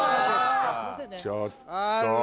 ちょっと！